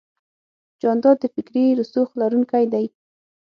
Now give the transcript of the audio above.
جانداد د فکري رسوخ لرونکی دی.